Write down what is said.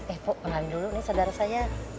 eh pok mengalir dulu nih saudara saya